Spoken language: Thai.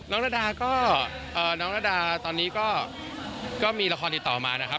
ระดาก็น้องระดาตอนนี้ก็มีละครติดต่อมานะครับ